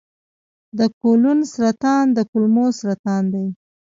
د کولون سرطان د کولمو سرطان دی.